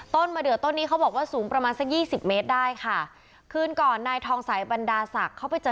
มะเดือต้นนี้เขาบอกว่าสูงประมาณสักยี่สิบเมตรได้ค่ะคืนก่อนนายทองสัยบรรดาศักดิ์เขาไปเจอ